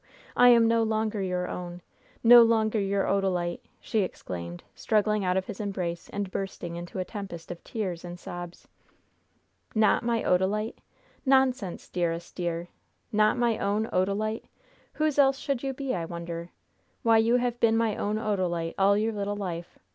I am no longer your own! No longer your Odalite," she exclaimed, struggling out of his embrace, and bursting into a tempest of tears and sobs. "Not my Odalite! Nonsense, dearest dear! Not my own Odalite? Whose else should you be, I wonder? Why, you have been my own Odalite all your little life.